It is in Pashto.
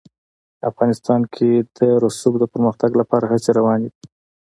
افغانستان کې د رسوب د پرمختګ لپاره هڅې روانې دي.